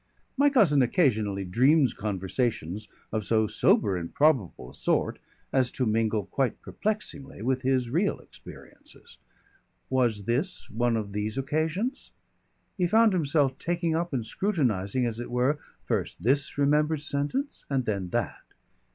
My cousin occasionally dreams conversations of so sober and probable a sort as to mingle quite perplexingly with his real experiences. Was this one of these occasions? He found himself taking up and scrutinising, as it were, first this remembered sentence and then that.